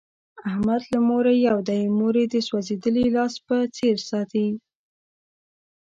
احمد له موره یو دی، مور یې د سوزېدلي لاس په څیر ساتي.